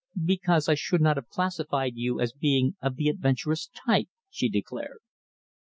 "Because I should not have classified you as being of the adventurous type," she declared.